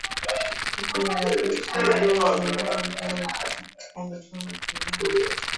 Wiki iliyopita, Tanzania iliongeza bei ya mafuta katika vituo vya kuuzia mafuta